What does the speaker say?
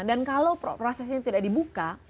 dan kalau prosesnya tidak dibuka